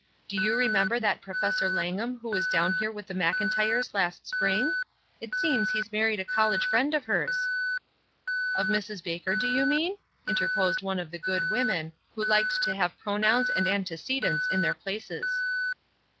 Do you remember that Professor Langham who was down here with the Mcln tyres last spring? It seems he's married a college friend of hers." "Of Mrs. Baker, do you mean?" interposed one of the good women, who Hked to have pro nouns and antecedents in their places.